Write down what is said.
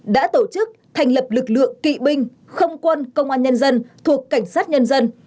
đã tổ chức thành lập lực lượng kỵ binh không quân công an nhân dân thuộc cảnh sát nhân dân